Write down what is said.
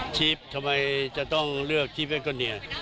ชีพทำไมจะต้องเลือกชีพแว็กเกอร์เนีย